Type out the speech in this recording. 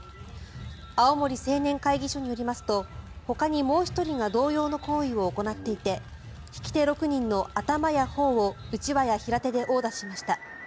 青森青年会議所によりますとほかに、もう１人が同様の行為を行っていて引き手６人の頭や頬をうちわや平手で殴打しました。